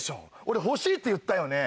俺欲しいって言ったよね？